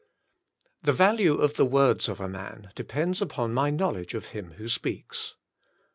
The value of the words of a man depends upon my knowledge of him who speaks.